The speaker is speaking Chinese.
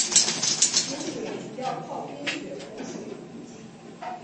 湖水主要靠冰雪融水补给。